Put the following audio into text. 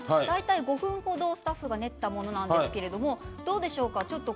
５分程、スタッフが練ったものなんですけれどどうでしょうか？